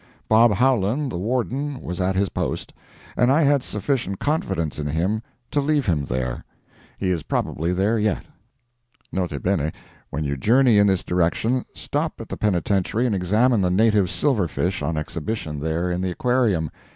Bob Howland, the Warden, was at his post, and I had sufficient confidence in him to leave him there. He is probably there yet. N.B.—When you journey in this direction, stop at the penitentiary and examine the native silver fish on exhibition there in the aquarium.